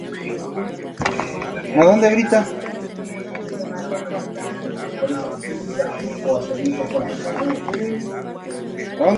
Es omnívoro: come principalmente insectos, crustáceos, moluscos y otros invertebrados, y materia vegetal.